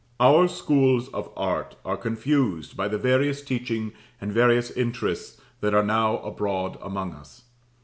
Our Schools of Art are confused by the various teaching and various interests that are now abroad among us.